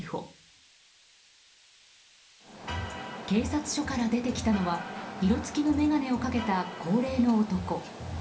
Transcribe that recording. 警察署から出てきたのは色付きの眼鏡をかけた高齢の男。